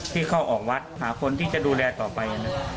ที่เข้าออกวัดหาคนที่จะดูแลต่อไป